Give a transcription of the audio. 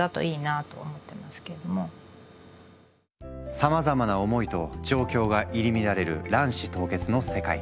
さまざまな思いと状況が入り乱れる卵子凍結の世界。